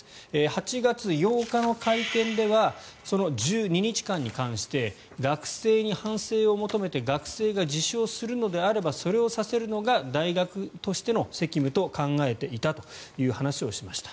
８月８日の会見ではその１２日間に関して学生に反省を求めて学生が自首をするのであればそれをさせるのが大学としての責務と考えていたと話しました。